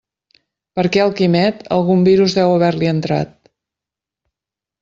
Perquè al Quimet algun virus deu haver-li entrat.